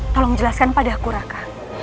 tolong jelaskan padaku raka